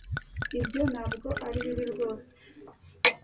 ibyo ntabwo ari bibi rwose